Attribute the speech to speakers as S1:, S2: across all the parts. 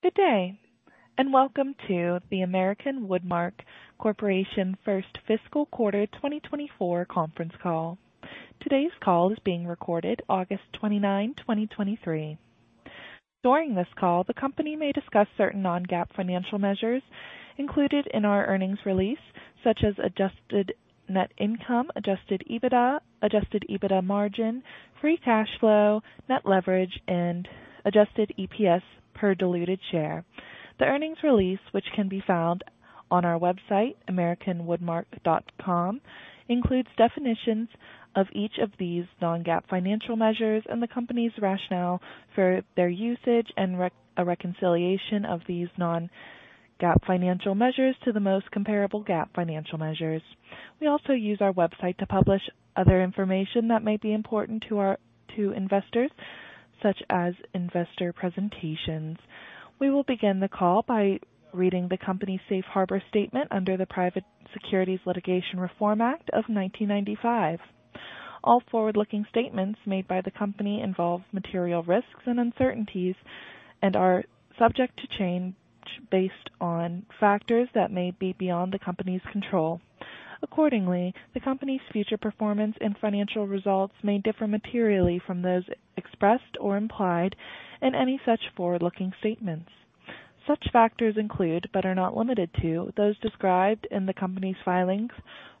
S1: Good day, and welcome to the American Woodmark Corporation first fiscal quarter 2024 conference call. Today's call is being recorded August 29, 2023. During this call, the company may discuss certain non-GAAP financial measures included in our earnings release, such as Adjusted Net Income, Adjusted EBITDA, Adjusted EBITDA margin, Free Cash Flow, net leverage, and Adjusted EPS per diluted share. The earnings release, which can be found on our website, americanwoodmark.com, includes definitions of each of these non-GAAP financial measures and the company's rationale for their usage and a reconciliation of these non-GAAP financial measures to the most comparable GAAP financial measures. We also use our website to publish other information that may be important to our-- to investors, such as investor presentations. We will begin the call by reading the company's safe harbor statement under the Private Securities Litigation Reform Act of 1995. All forward-looking statements made by the company involve material risks and uncertainties and are subject to change based on factors that may be beyond the company's control. Accordingly, the company's future performance and financial results may differ materially from those expressed or implied in any such forward-looking statements. Such factors include, but are not limited to, those described in the company's filings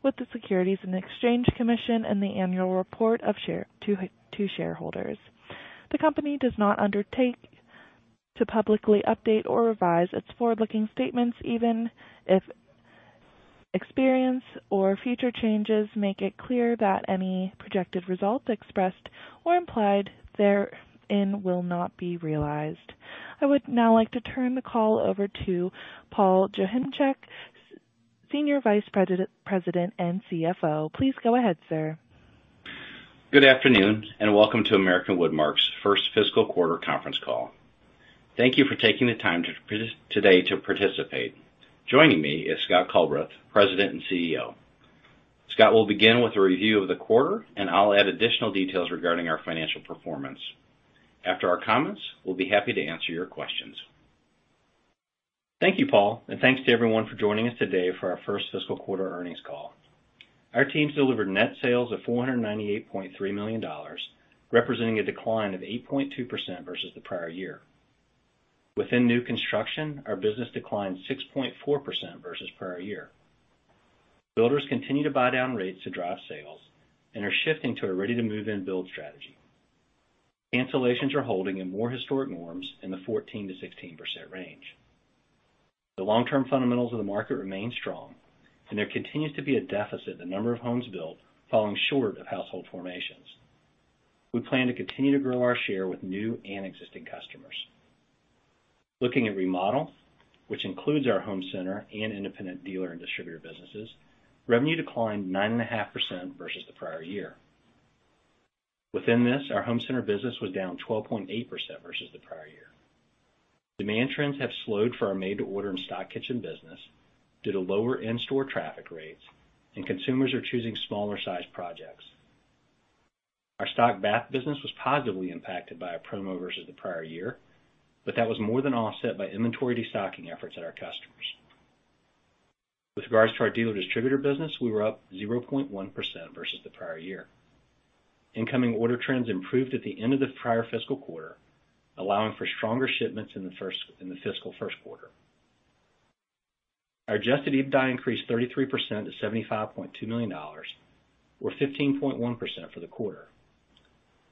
S1: with the Securities and Exchange Commission and the annual report to shareholders. The company does not undertake to publicly update or revise its forward-looking statements, even if experience or future changes make it clear that any projected result expressed or implied therein will not be realized. I would now like to turn the call over to Paul Joachimczyk, Senior Vice President and CFO. Please go ahead, sir.
S2: Good afternoon, and welcome to American Woodmark's first fiscal quarter conference call. Thank you for taking the time today to participate. Joining me is Scott Culbreth, President and CEO. Scott will begin with a review of the quarter, and I'll add additional details regarding our financial performance. After our comments, we'll be happy to answer your questions.
S3: Thank you, Paul, and thanks to everyone for joining us today for our first fiscal quarter earnings call. Our teams delivered net sales of $498.3 million, representing a decline of 8.2% versus the prior year. Within new construction, our business declined 6.4% versus prior year. Builders continue to buy down rates to drive sales and are shifting to a ready-to-move-in build strategy. Cancellations are holding in more historic norms in the 14%-16% range. The long-term fundamentals of the market remain strong, and there continues to be a deficit in the number of homes built, falling short of household formations. We plan to continue to grow our share with new and existing customers. Looking at remodel, which includes our home center and independent dealer and distributor businesses, revenue declined 9.5% versus the prior year. Within this, our home center business was down 12.8% versus the prior year. Demand trends have slowed for our made-to-order and stock kitchen business due to lower in-store traffic rates, and consumers are choosing smaller-sized projects. Our stock bath business was positively impacted by a promo versus the prior year, but that was more than offset by inventory destocking efforts at our customers. With regards to our dealer distributor business, we were up 0.1% versus the prior year. Incoming order trends improved at the end of the prior fiscal quarter, allowing for stronger shipments in the fiscal first quarter. Our Adjusted EBITDA increased 33% to $75.2 million, or 15.1% for the quarter.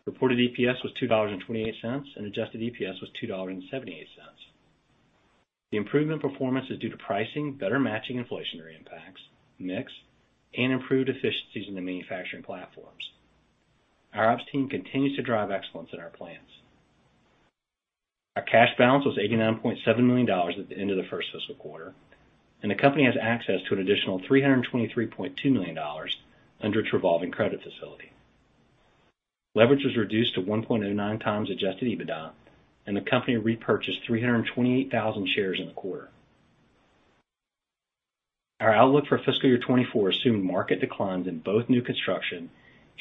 S3: Reported EPS was $2.28, and Adjusted EPS was $2.78. The improvement in performance is due to pricing, better matching inflationary impacts, mix, and improved efficiencies in the manufacturing platforms. Our ops team continues to drive excellence in our plants. Our cash balance was $89.7 million at the end of the first fiscal quarter, and the company has access to an additional $323.2 million under its revolving credit facility. Leverage was reduced to 1.09x Adjusted EBITDA, and the company repurchased 328,000 shares in the quarter. Our outlook for fiscal year 2024 assumed market declines in both new construction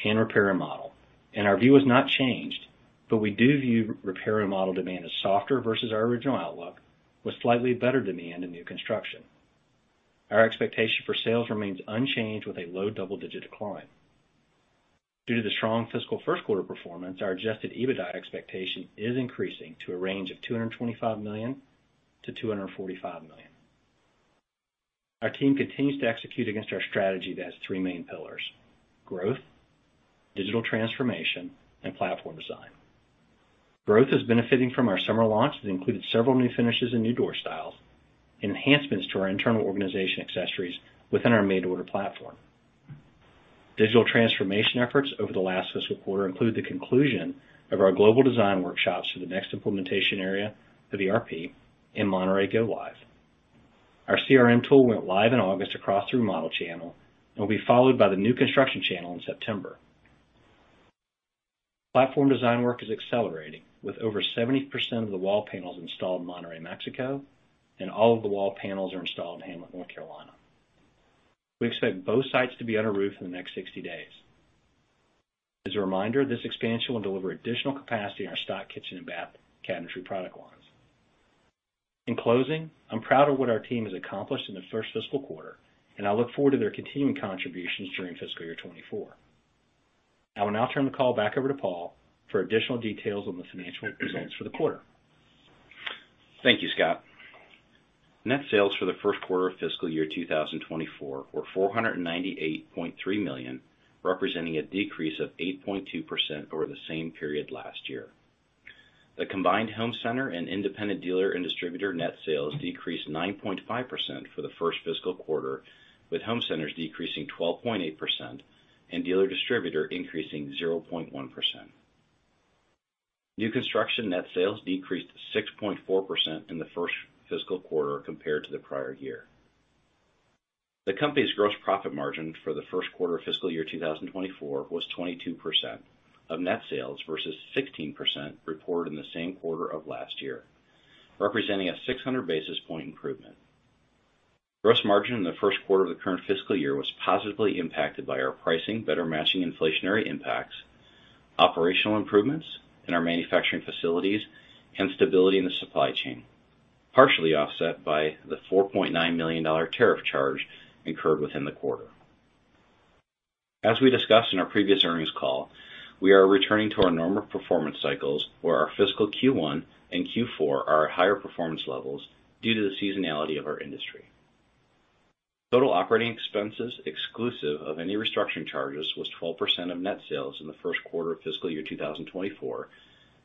S3: and repair and remodel, and our view has not changed, but we do view repair and remodel demand as softer versus our original outlook, with slightly better demand in new construction. Our expectation for sales remains unchanged, with a low double-digit decline. Due to the strong fiscal first quarter performance, our Adjusted EBITDA expectation is increasing to a range of $225 million-$245 million. Our team continues to execute against our strategy that has three main pillars: growth, digital transformation, and platform design. Growth is benefiting from our summer launch that included several new finishes and new door styles, and enhancements to our internal organization accessories within our made-to-order platform. Digital transformation efforts over the last fiscal quarter include the conclusion of our global design workshops for the next implementation area for the ERP in Monterrey go-live. Our CRM tool went live in August across the remodel channel and will be followed by the new construction channel in September. Platform design work is accelerating, with over 70% of the wall panels installed in Monterrey, Mexico, and all of the wall panels are installed in Hamlet, North Carolina. We expect both sites to be under roof in the next 60 days. As a reminder, this expansion will deliver additional capacity in our stock kitchen and bath cabinetry product lines. In closing, I'm proud of what our team has accomplished in the first fiscal quarter, and I look forward to their continuing contributions during fiscal year 2024. I will now turn the call back over to Paul for additional details on the financial results for the quarter.
S2: Thank you, Scott. Net sales for the first quarter of fiscal year 2024 were $498.3 million, representing a decrease of 8.2% over the same period last year. The combined home center and independent dealer and distributor net sales decreased 9.5% for the first fiscal quarter, with home centers decreasing 12.8% and dealer distributor increasing 0.1%. New construction net sales decreased 6.4% in the first fiscal quarter compared to the prior year. The company's gross profit margin for the first quarter of fiscal year 2024 was 22% of net sales, versus 16% reported in the same quarter of last year, representing a 600 basis point improvement. Gross margin in the first quarter of the current fiscal year was positively impacted by our pricing, better matching inflationary impacts, operational improvements in our manufacturing facilities, and stability in the supply chain, partially offset by the $4.9 million tariff charge incurred within the quarter. As we discussed in our previous earnings call, we are returning to our normal performance cycles, where our fiscal Q1 and Q4 are at higher performance levels due to the seasonality of our industry. Total operating expenses, exclusive of any restructuring charges, was 12% of net sales in the first quarter of fiscal year 2024,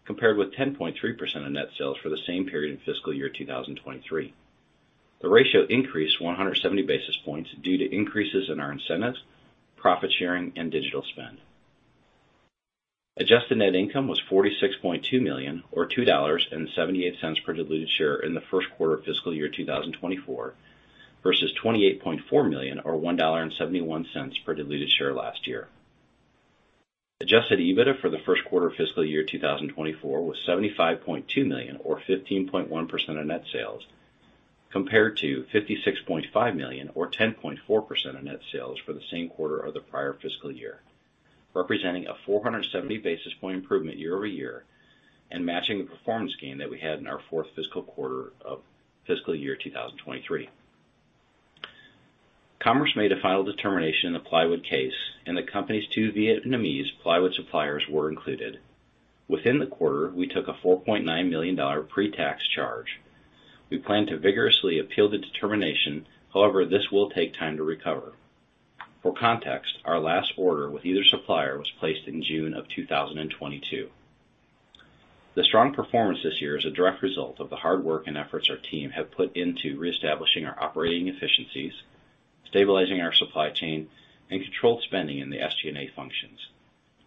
S2: compared with 10.3% of net sales for the same period in fiscal year 2023. The ratio increased 170 basis points due to increases in our incentives, profit sharing, and digital spend. Adjusted net income was $46.2 million, or $2.78 per diluted share in the first quarter of fiscal year 2024, versus $28.4 million, or $1.71 per diluted share last year. Adjusted EBITDA for the first quarter of fiscal year 2024 was $75.2 million, or 15.1% of net sales, compared to $56.5 million, or 10.4% of net sales for the same quarter of the prior fiscal year, representing a 470 basis point improvement year-over-year and matching the performance gain that we had in our fourth fiscal quarter of fiscal year 2023. Commerce made a final determination in the plywood case, and the company's two Vietnamese plywood suppliers were included. Within the quarter, we took a $4.9 million pre-tax charge. We plan to vigorously appeal the determination. However, this will take time to recover. For context, our last order with either supplier was placed in June 2022. The strong performance this year is a direct result of the hard work and efforts our team have put into reestablishing our operating efficiencies, stabilizing our supply chain, and controlled spending in the SG&A functions,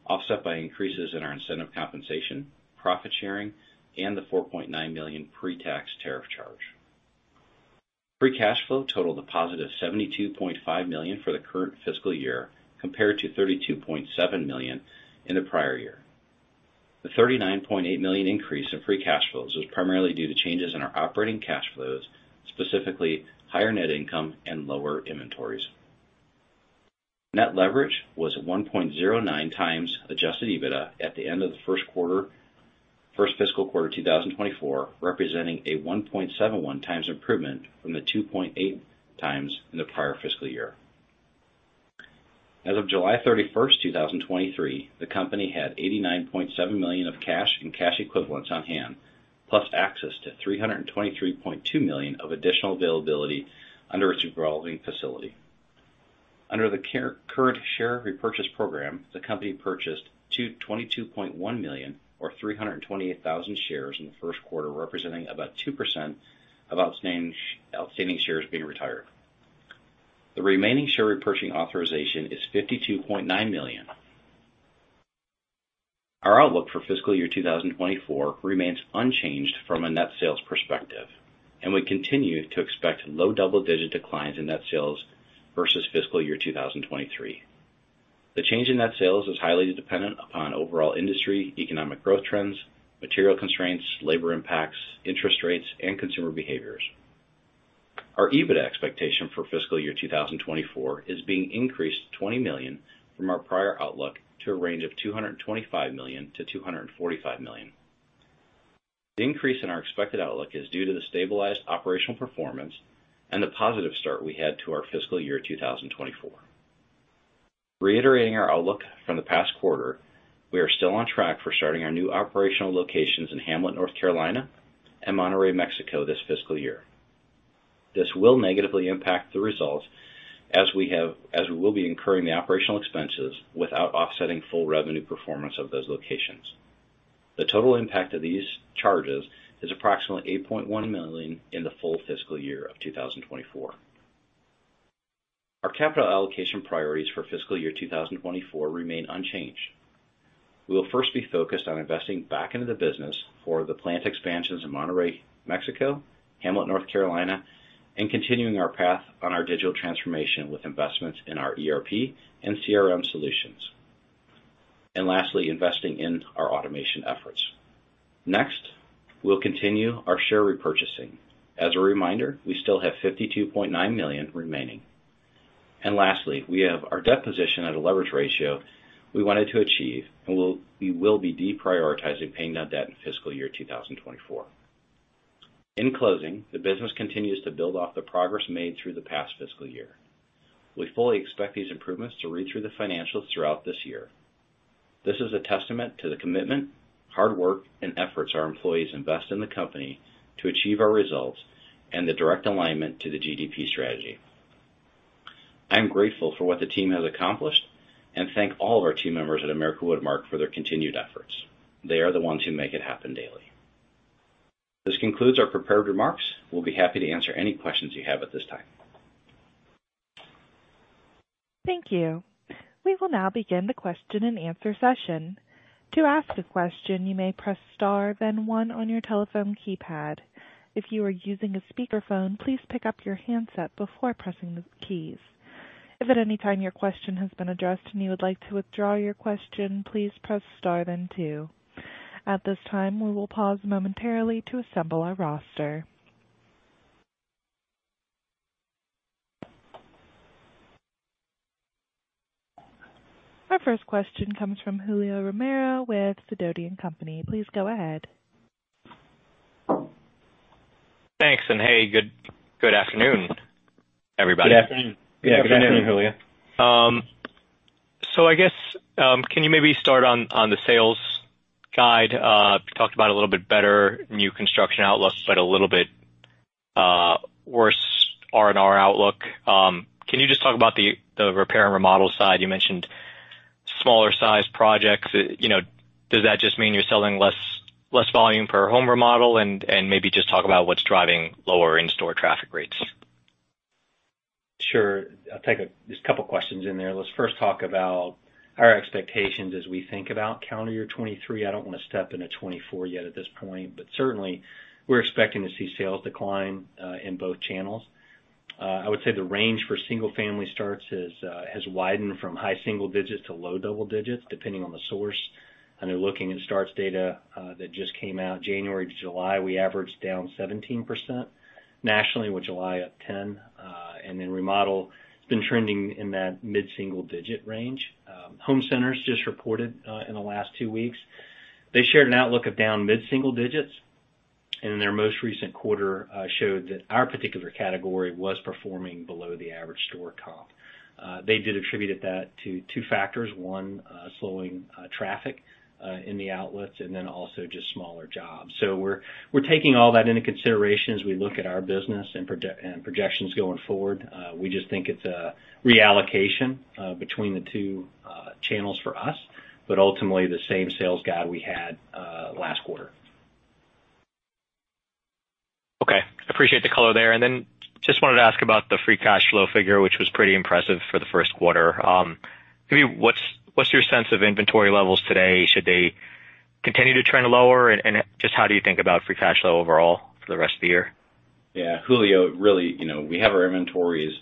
S2: offset by increases in our incentive compensation, profit sharing, and the $4.9 million pre-tax tariff charge. Free Cash Flow totaled a positive $72.5 million for the current fiscal year, compared to $32.7 million in the prior year. The $39.8 million increase in Free Cash Flows was primarily due to changes in our operating cash flows, specifically higher net income and lower inventories. Net leverage was at 1.09 times Adjusted EBITDA at the end of the first fiscal quarter 2024, representing a 1.71 times improvement from the 2.8 times in the prior fiscal year. As of July 31, 2023, the company had $89.7 million of cash and cash equivalents on hand, plus access to $323.2 million of additional availability under its revolving facility. Under the current share repurchase program, the company purchased $222.1 million, or 328,000 shares in the first quarter, representing about 2% of outstanding shares being retired. The remaining share repurchasing authorization is $52.9 million. Our outlook for fiscal year 2024 remains unchanged from a net sales perspective, and we continue to expect low double-digit declines in net sales versus fiscal year 2023. The change in net sales is highly dependent upon overall industry, economic growth trends, material constraints, labor impacts, interest rates, and consumer behaviors. Our EBITDA expectation for fiscal year 2024 is being increased $20 million from our prior outlook to a range of $225 million-$245 million. The increase in our expected outlook is due to the stabilized operational performance and the positive start we had to our fiscal year 2024. Reiterating our outlook from the past quarter, we are still on track for starting our new operational locations in Hamlet, North Carolina and Monterrey, Mexico, this fiscal year. This will negatively impact the results as we will be incurring the operational expenses without offsetting full revenue performance of those locations. The total impact of these charges is approximately $8.1 million in the full fiscal year 2024. Our capital allocation priorities for fiscal year 2024 remain unchanged. We will first be focused on investing back into the business for the plant expansions in Monterrey, Mexico, Hamlet, North Carolina, and continuing our path on our digital transformation with investments in our ERP and CRM solutions. And lastly, investing in our automation efforts. Next, we'll continue our share repurchasing. As a reminder, we still have $52.9 million remaining. And lastly, we have our debt position at a leverage ratio we wanted to achieve, and we'll, we will be deprioritizing paying down debt in fiscal year 2024. In closing, the business continues to build off the progress made through the past fiscal year. We fully expect these improvements to read through the financials throughout this year. This is a testament to the commitment, hard work, and efforts our employees invest in the company to achieve our results and the direct alignment to the GDP strategy. I am grateful for what the team has accomplished and thank all of our team members at American Woodmark for their continued efforts. They are the ones who make it happen daily. This concludes our prepared remarks. We'll be happy to answer any questions you have at this time.
S1: Thank you. We will now begin the question-and-answer session. To ask a question, you may press star, then one on your telephone keypad. If you are using a speakerphone, please pick up your handset before pressing the keys. If at any time your question has been addressed and you would like to withdraw your question, please press star, then two. At this time, we will pause momentarily to assemble our roster. Our first question comes from Julio Romero with Sidoti & Company. Please go ahead.
S4: Thanks, and hey, good, good afternoon, everybody.
S3: Good afternoon.
S2: Yeah, good afternoon, Julio.
S4: So I guess can you maybe start on the sales guide? You talked about a little bit better new construction outlook, but a little bit worse R&R outlook. Can you just talk about the repair and remodel side? You mentioned smaller-sized projects. You know, does that just mean you're selling less volume per home remodel? And maybe just talk about what's driving lower in-store traffic rates.
S3: Sure. I'll take a. There's a couple questions in there. Let's first talk about our expectations as we think about calendar year 2023. I don't want to step into 2024 yet at this point, but certainly we're expecting to see sales decline in both channels. I would say the range for single-family starts has widened from high single digits to low double digits, depending on the source. I know looking at starts data that just came out January to July, we averaged down 17% nationally, with July up 10%. And then remodel has been trending in that mid-single-digit range. Home centers just reported in the last two weeks. They shared an outlook of down mid-single digits, and in their most recent quarter showed that our particular category was performing below the average store comp. They did attribute that to two factors: one, slowing traffic in the outlets, and then also just smaller jobs. So we're taking all that into consideration as we look at our business and projections going forward. We just think it's a reallocation between the two channels for us, but ultimately the same sales guide we had last quarter.
S4: Okay, appreciate the color there. And then just wanted to ask about the Free Cash Flow figure, which was pretty impressive for the first quarter. Maybe what's your sense of inventory levels today? Should they continue to trend lower? And just how do you think about Free Cash Flow overall for the rest of the year?
S2: Yeah, Julio, really, you know, we have our inventories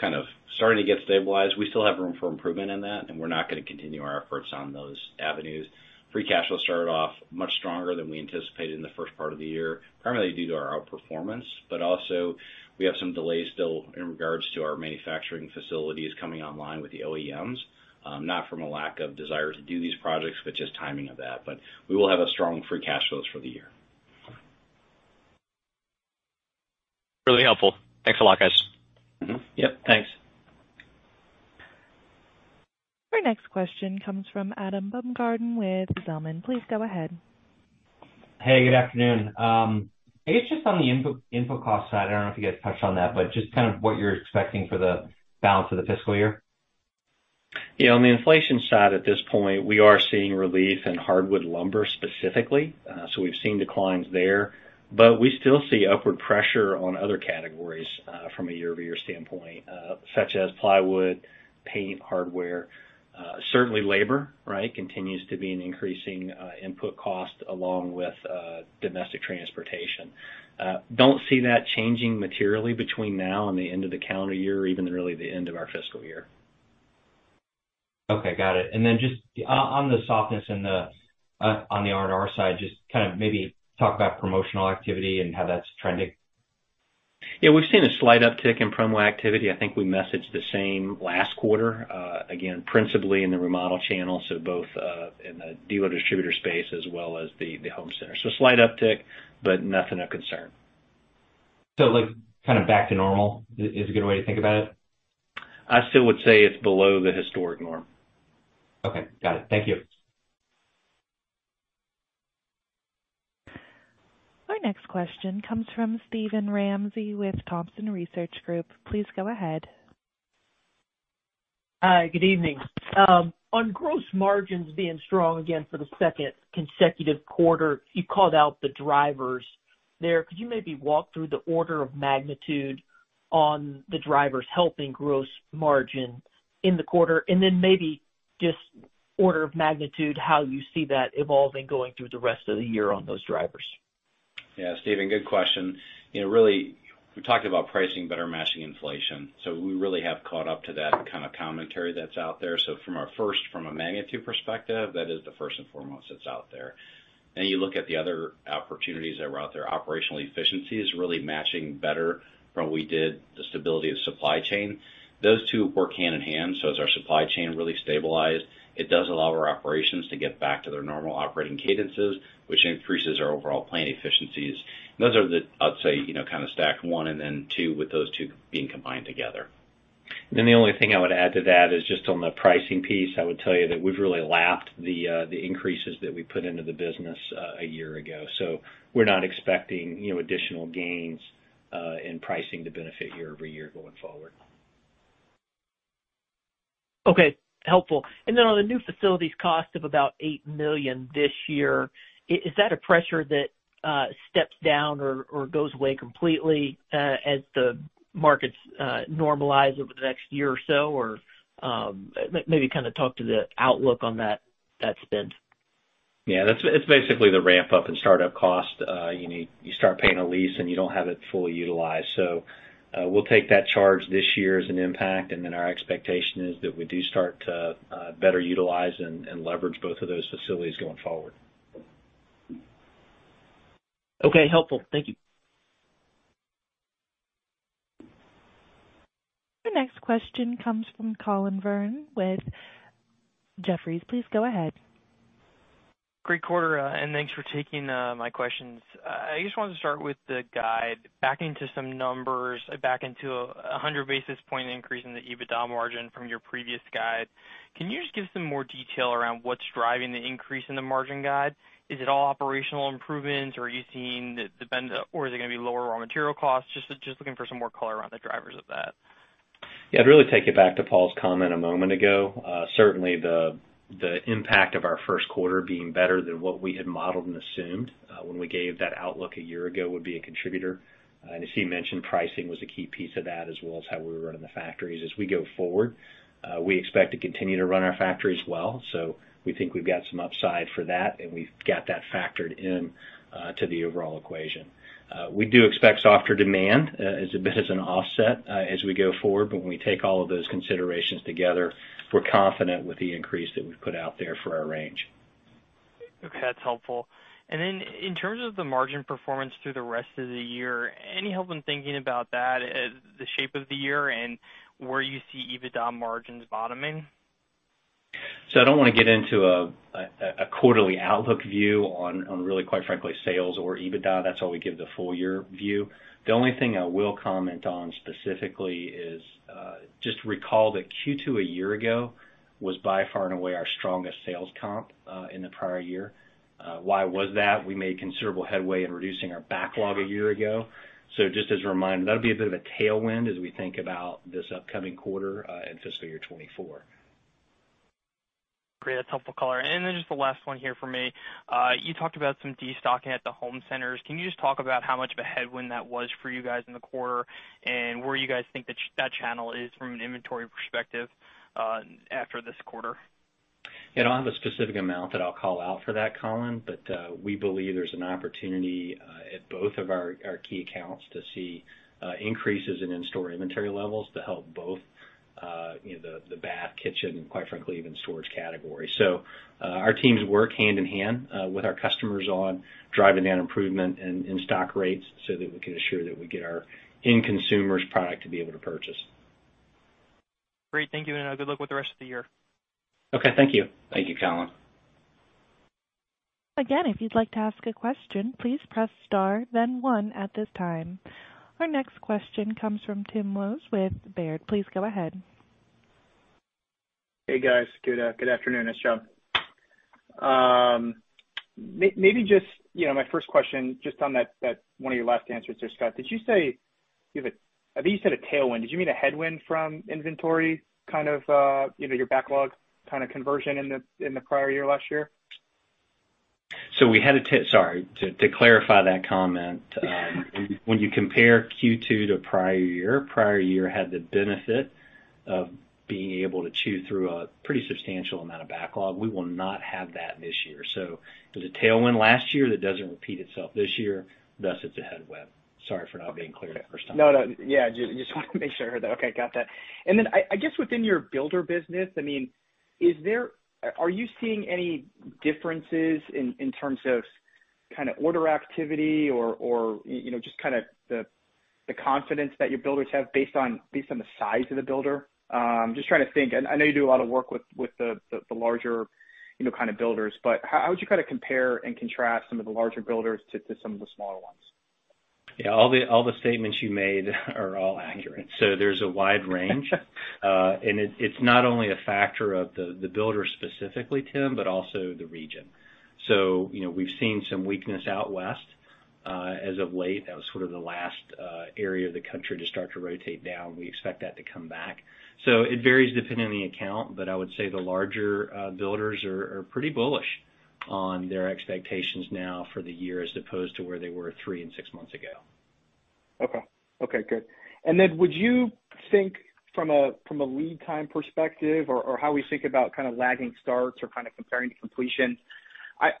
S2: kind of starting to get stabilized. We still have room for improvement in that, and we're not going to continue our efforts on those avenues. Free Cash Flow started off much stronger than we anticipated in the first part of the year, primarily due to our outperformance, but also we have some delays still in regards to our manufacturing facilities coming online with the OEMs, not from a lack of desire to do these projects, but just timing of that. But we will have a strong Free Cash Flows for the year.
S4: Really helpful. Thanks a lot, guys.
S3: Yep, thanks.
S1: Our next question comes from Adam Baumgarten with Zelman. Please go ahead.
S5: Hey, good afternoon. I guess just on the input, input cost side, I don't know if you guys touched on that, but just kind of what you're expecting for the balance of the fiscal year.
S3: Yeah, on the inflation side, at this point, we are seeing relief in hardwood lumber specifically, so we've seen declines there. But we still see upward pressure on other categories, from a year-over-year standpoint, such as plywood, paint, hardware. Certainly labor, right, continues to be an increasing input cost along with domestic transportation. Don't see that changing materially between now and the end of the calendar year or even really the end of our fiscal year.
S5: Okay, got it. And then just on the softness and the, on the R&R side, just kind of maybe talk about promotional activity and how that's trending.
S3: Yeah, we've seen a slight uptick in promo activity. I think we messaged the same last quarter, again, principally in the remodel channel, so both, in the dealer distributor space as well as the, the home center. So slight uptick, but nothing of concern.
S5: Like, kind of back to normal is a good way to think about it?
S3: I still would say it's below the historic norm.
S5: Okay, got it. Thank you.
S1: Our next question comes from Steven Ramsey with Thompson Research Group. Please go ahead.
S6: Good evening. On gross margins being strong again for the second consecutive quarter, you called out the drivers there. Could you maybe walk through the order of magnitude on the drivers helping gross margin in the quarter, and then maybe just order of magnitude, how you see that evolving going through the rest of the year on those drivers?
S2: Yeah, Steven, good question. You know, really, we talked about pricing better matching inflation, so we really have caught up to that kind of commentary that's out there. So from a magnitude perspective, that is the first and foremost that's out there. Then you look at the other opportunities that were out there. Operational efficiency is really matching better from what we did, the stability of supply chain. Those two work hand in hand. So as our supply chain really stabilized, it does allow our operations to get back to their normal operating cadences, which increases our overall plant efficiencies. Those are the, I'd say, you know, kind of stack one and then two, with those two being combined together.
S3: Then the only thing I would add to that is just on the pricing piece. I would tell you that we've really lapped the increases that we put into the business a year ago. So we're not expecting, you know, additional gains in pricing to benefit year-over-year going forward.
S6: Okay, helpful. And then on the new facilities cost of about $8 million this year, is that a pressure that steps down or goes away completely as the markets normalize over the next year or so? Or, maybe kind of talk to the outlook on that spend.
S2: Yeah, that's it. It's basically the ramp-up and start-up cost. You start paying a lease and you don't have it fully utilized. So, we'll take that charge this year as an impact, and then our expectation is that we do start to better utilize and leverage both of those facilities going forward.
S6: Okay, helpful. Thank you.
S1: The next question comes from Collin Verron with Jefferies. Please go ahead.
S7: Great quarter, and thanks for taking my questions. I just wanted to start with the guide. Back into some numbers, back into a 100 basis point increase in the EBITDA margin from your previous guide. Can you just give some more detail around what's driving the increase in the margin guide? Is it all operational improvements, or are you seeing the, the bend, or is it going to be lower raw material costs? Just looking for some more color around the drivers of that.
S3: Yeah, I'd really take you back to Paul's comment a moment ago. Certainly the impact of our first quarter being better than what we had modeled and assumed when we gave that outlook a year ago would be a contributor. And as he mentioned, pricing was a key piece of that, as well as how we were running the factories. As we go forward, we expect to continue to run our factories well. So we think we've got some upside for that, and we've got that factored in to the overall equation. We do expect softer demand as a bit of an offset as we go forward, but when we take all of those considerations together, we're confident with the increase that we've put out there for our range.
S7: Okay, that's helpful. And then in terms of the margin performance through the rest of the year, any help in thinking about that, the shape of the year and where you see EBITDA margins bottoming?
S3: So I don't want to get into a quarterly outlook view on really, quite frankly, sales or EBITDA. That's why we give the full year view. The only thing I will comment on specifically is just recall that Q2 a year ago was by far and away our strongest sales comp in the prior year. Why was that? We made considerable headway in reducing our backlog a year ago. So just as a reminder, that'll be a bit of a tailwind as we think about this upcoming quarter in fiscal year 2024.
S7: Great, that's helpful color. Then just the last one here for me. You talked about some destocking at the home centers. Can you just talk about how much of a headwind that was for you guys in the quarter, and where you guys think that channel is from an inventory perspective, after this quarter?
S3: You know, I don't have a specific amount that I'll call out for that, Collin, but, we believe there's an opportunity, at both of our key accounts to see, increases in in-store inventory levels to help both, you know, the bath, kitchen, and quite frankly, even storage category. So, our teams work hand-in-hand, with our customers on driving down improvement and in-stock rates so that we can ensure that we get our in consumers product to be able to purchase.
S7: Great. Thank you, and good luck with the rest of the year.
S3: Okay, thank you.
S2: Thank you, Colin.
S1: Again, if you'd like to ask a question, please press star then one at this time. Our next question comes from Tim Wojs with Baird. Please go ahead.
S8: Hey, guys. Good afternoon, it's Tim. Maybe just, you know, my first question, just on that, that one of your last answers there, Scott, did you say you have a... I think you said a tailwind. Did you mean a headwind from inventory, kind of, you know, your backlog kind of conversion in the, in the prior year, last year?
S3: Sorry. To clarify that comment, when you compare Q2 to prior year, prior year had the benefit of being able to chew through a pretty substantial amount of backlog. We will not have that this year. So it was a tailwind last year that doesn't repeat itself this year, thus it's a headwind. Sorry for not being clear the first time.
S8: No, no. Yeah, just wanted to make sure I heard that. Okay, got that. And then I, I guess within your builder business, I mean, is there? Are you seeing any differences in, in terms of kind of order activity or, or, you know, just kind of the, the confidence that your builders have based on, based on the size of the builder? Just trying to think. I, I know you do a lot of work with, with the, the larger, you know, kind of builders, but how, how would you kind of compare and contrast some of the larger builders to, to some of the smaller ones?
S3: Yeah, all the statements you made are all accurate. So there's a wide range. And it's not only a factor of the builder specifically, Tim, but also the region. So, you know, we've seen some weakness out west, as of late. That was sort of the last area of the country to start to rotate down. We expect that to come back. So it varies depending on the account, but I would say the larger builders are pretty bullish on their expectations now for the year, as opposed to where they were three and six months ago.
S8: Okay. Okay, good. And then would you think from a lead time perspective or how we think about kind of lagging starts or kind of comparing to completion?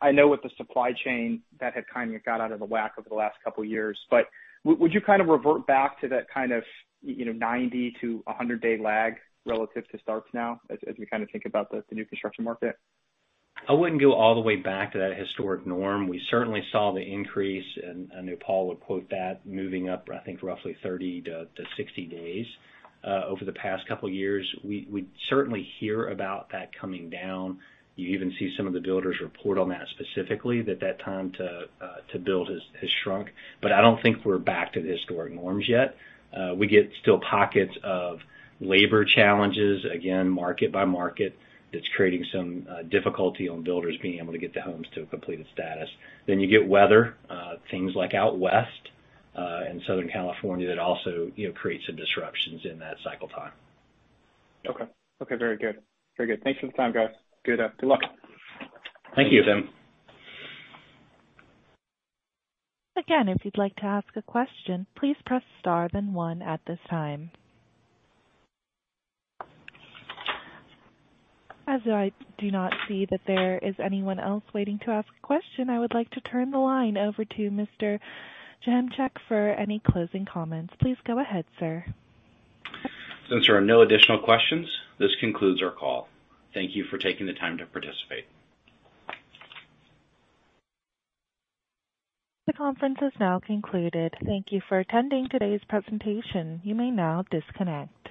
S8: I know with the supply chain that had kind of got out of whack over the last couple of years, but would you kind of revert back to that kind of, you know, 90-100-day lag relative to starts now, as we kind of think about the new construction market?
S3: I wouldn't go all the way back to that historic norm. We certainly saw the increase, and, I know Paul would quote that, moving up, I think, roughly 30-60 days over the past couple of years. We certainly hear about that coming down. You even see some of the builders report on that specifically, that time to build has shrunk. But I don't think we're back to the historic norms yet. We get still pockets of labor challenges, again, market by market, that's creating some difficulty on builders being able to get the homes to a completed status. Then you get weather things like out west in Southern California, that also, you know, create some disruptions in that cycle time.
S8: Okay. Okay, very good. Very good. Thanks for the time, guys. Good, good luck.
S3: Thank you, Tim.
S1: Again, if you'd like to ask a question, please press Star then one at this time. As I do not see that there is anyone else waiting to ask a question, I would like to turn the line over to Mr. Joachimczyk for any closing comments. Please go ahead, sir.
S2: Since there are no additional questions, this concludes our call. Thank you for taking the time to participate.
S1: The conference is now concluded. Thank you for attending today's presentation. You may now disconnect.